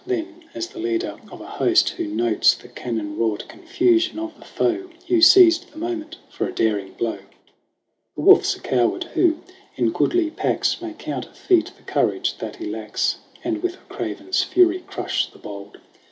Then, as the leader of a host who notes The cannon wrought confusion of the foe, Hugh seized the moment for a daring blow. The wolPs a coward, who, in goodly packs, May counterfeit the courage that he lacks And with a craven's fury crush the bold.